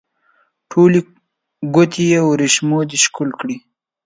ټولې ګوتې یې وریښمو دي ښکل کړي